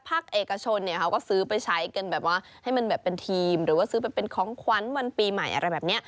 ไปใช้กันแบบว่าให้มันแบบเป็นทีมหรือว่าซื้อไปเป็นของขวัญวันปีใหม่อะไรแบบเนี้ย